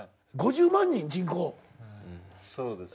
そうですね。